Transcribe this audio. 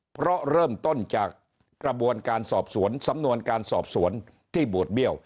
เพราะเริ่มต้นจากกระบวนการสอบสวนสำนวนการสอบสวนที่บวชเบี้ยว